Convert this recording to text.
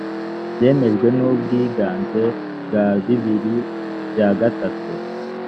byemejwe n ubwiganze bwa bibiri bya gatatu